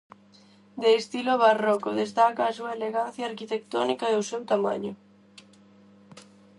De estilo barroco, destaca a súa elegancia arquitectónica e o seu tamaño.